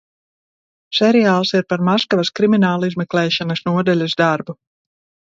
Seriāls ir par Maskavas kriminālizmeklēšanas nodaļas darbu.